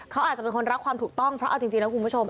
เขาอาจจะเป็นคนรักความถูกต้องเพราะเอาจริงนะคุณผู้ชม